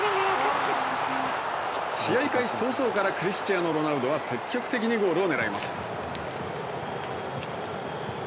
試合開始早々からクリスチアーノ・ロナウドは積極的にゴールを狙います。